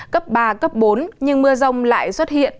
cấp ba cấp bốn nhưng mưa rông lại xuất hiện